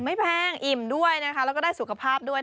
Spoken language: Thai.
แพงอิ่มด้วยนะคะแล้วก็ได้สุขภาพด้วย